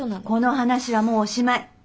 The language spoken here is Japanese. この話はもうおしまい。